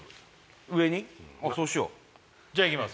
あっそうしようじゃあいきます